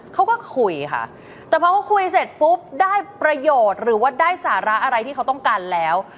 เขาก็คุยค่ะแต่พอเขาคุยเสร็จปุ๊บได้ประโยชน์หรือว่าได้สาระอะไรที่เขาต้องการแล้ว